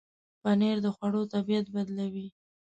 پنېر د خوړو طبعیت بدلوي.